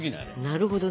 なるほどな。